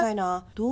どう？